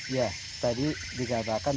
ya tadi dikatakan